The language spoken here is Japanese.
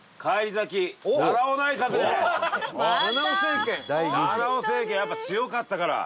菜々緒政権やっぱ強かったから。